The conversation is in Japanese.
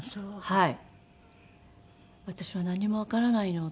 はい。